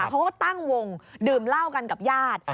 เขาก็ตั้งวงดื่มเหล้ากันกับญาติ